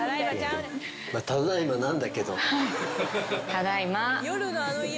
ただいま。